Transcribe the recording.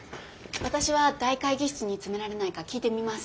私は大会議室に詰められないか聞いてみます。